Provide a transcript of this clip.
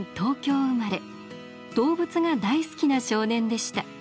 動物が大好きな少年でした。